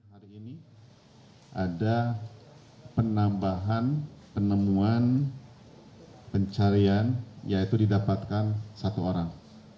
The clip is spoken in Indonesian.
hari ini ada penambahan penemuan pencarian yaitu didapatkan satu orang